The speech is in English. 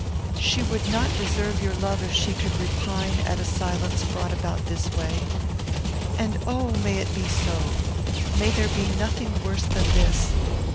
She would not deserve your love if she could repine at a silence brought about this way. And oh! may it be so! May there be nothing worse than this!